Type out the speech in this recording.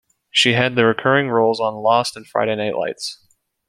She had the recurring roles on "Lost" and "Friday Night Lights".